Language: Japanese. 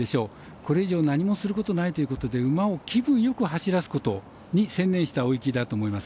これ以上何もすることがないということで馬を気分よく走らせることに専念した追い切りだと思います。